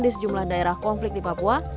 di sejumlah daerah konflik di papua